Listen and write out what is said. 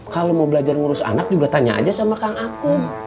kalau mau belajar ngurus anak juga tanya aja sama kang aku